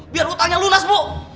biar hutangnya lunas bu